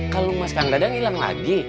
kalau emas kandadang ilang lagi